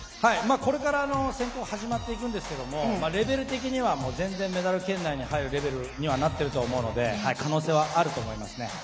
これから選考が始まりますけどレベル的には全然メダル圏内に入るレベルになってると思うので可能性は十分、あると思いますね。